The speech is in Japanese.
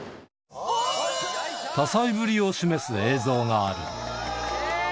多才ぶりを示す映像がある。